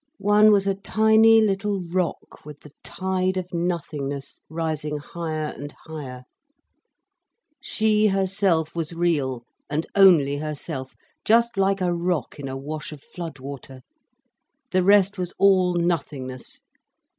One was a tiny little rock with the tide of nothingness rising higher and higher She herself was real, and only herself—just like a rock in a wash of flood water. The rest was all nothingness.